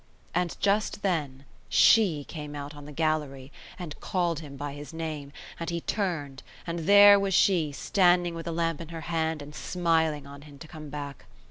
And just then she came out on the gallery, and called him by his name; and he turned, and there was she standing with a lamp in her hand and smiling on him to come back.